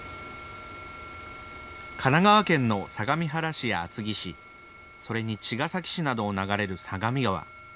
神奈川県の相模原市や厚木市、それに茅ヶ崎市などを流れる相模川。